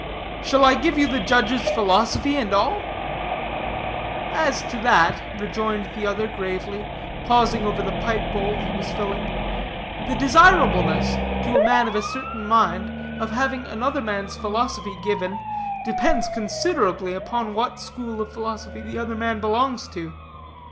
"Shall I give you the judge's philosophy, and all?" "As to that," rejoined the other gravely, pausing over the pipe bowl he was filling, "the desirableness, to a man of a certain mind, of having another man's philosophy given, depends considerably upon what school of philosophy that other man belongs to.